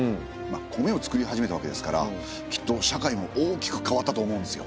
米を作り始めたわけですからきっと社会も大きく変わったと思うんですよ。